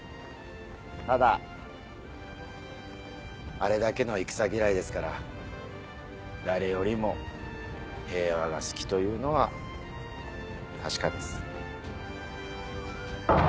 ただあれだけの戦嫌いですから誰よりも平和が好きというのは確かです。